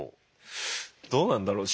どうなんだろう？